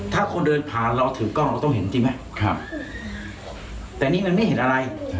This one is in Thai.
ถ้าคนเดินผ่านเราถือกล้องเราต้องเห็นจริงไหมแต่นี่มันไม่เห็นอะไร